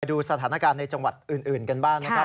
ดูสถานการณ์ในจังหวัดอื่นกันบ้างนะครับ